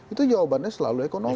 itu jawabannya selalu ekonomi